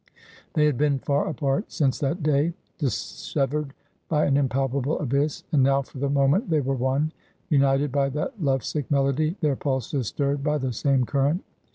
They had been far apart since that day ; dissevered by an impalpable abyss ; and now for the moment they were one, united by that love sick melody, their pulses stirred by the same current.